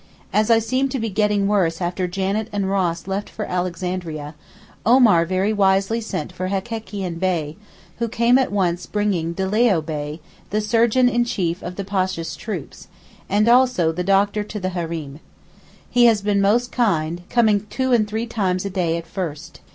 As I seemed to be getting worse after Janet and Ross left for Alexandria, Omar very wisely sent for Hekekian Bey, who came at once bringing De Leo Bey, the surgeon in chief of the Pasha's troops, and also the doctor to the hareem. He has been most kind, coming two and three times a day at first.